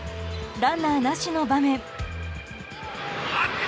ランナーなしの場面。